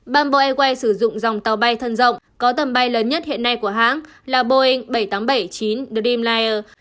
bamboo airways sử dụng dòng tàu bay thân rộng có tầm bay lớn nhất hiện nay của hãng là boeing bảy trăm tám mươi bảy chín dm ligher